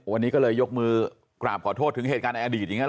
วันนี้ก็เลยยกมือกราบขอโทษถึงเหตุการณ์ในอดีตอย่างนี้เห